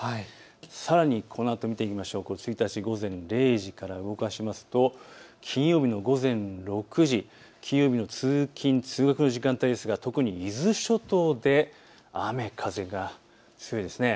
さらに、このあと見てみますと午前０時から動かしますと金曜日の午前６時、通勤通学の時間帯ですが特に伊豆諸島で雨風が強いです。